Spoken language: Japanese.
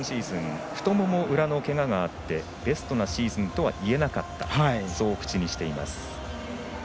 ピーコックは今シーズン太もも裏のけががあってベストなシーズンとはいえなかったと口にしています。